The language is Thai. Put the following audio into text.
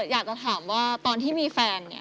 อยากจะถามว่าตอนที่มีแฟนเนี่ย